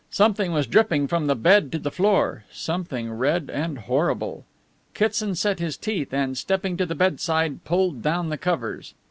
Something was dripping from the bed to the floor something red and horrible. Kitson set his teeth and, stepping to the bedside, pulled down the covers.